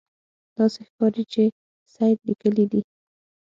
داسې ښکاري چې سید لیکلي دي.